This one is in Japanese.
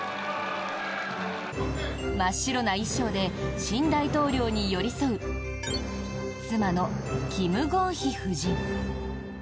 真っ白な衣装で新大統領に寄り添う妻のキム・ゴンヒ夫人。